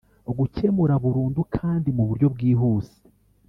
Gukemura burundu kandi mu buryo bwihuse